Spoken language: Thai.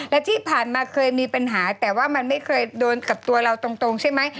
และที่ผ่านมาเคยมีปัญหาแต่ว่ามันไม่เคยโดนกับตัวเราตรงใช่ไหม